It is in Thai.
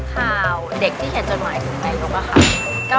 ข่าวเด็กที่เขียนจดหมายถึงนายกอะค่ะ